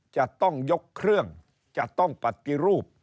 จะต้องยกเครื่องจะต้องปฏิรูป